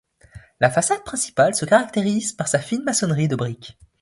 La façade principale se caractérise par sa fine maçonnerie de briques.